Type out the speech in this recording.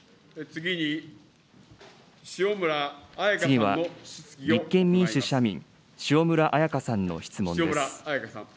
次は立憲民主・社民、塩村あやかさんの質問です。